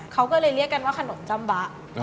เขาก็เลยเรียกกันว่าขนมจำบะ